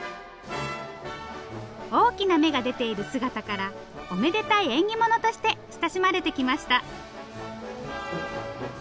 大きな芽が出ている姿からおめでたい縁起物として親しまれてきました。